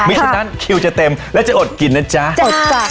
ไม่สุดนั้นคิวจะเต็มและจะอดกินนะจ๊ะจะอดจัด